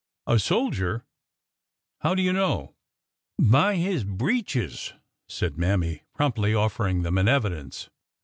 A soldier ? How do you know ?" By his breeches,'' said Mammy, promptly offering them in evidence.